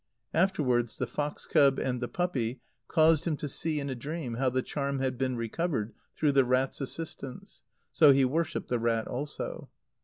Afterwards the fox cub and the puppy caused him to see in a dream how the charm had been recovered through the rat's assistance. So he worshipped the rat also.